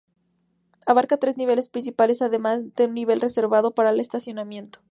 Abarca tres niveles principales, además de un nivel reservado para el estacionamiento.